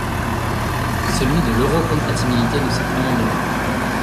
…celui de l’euro-compatibilité de cet amendement.